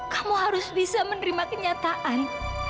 kamu harus bisa menerima kenyataan